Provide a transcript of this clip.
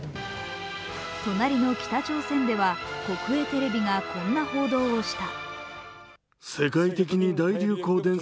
隣の北朝鮮では国営テレビがこんな報道をした。